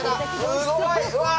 すごい！わあ。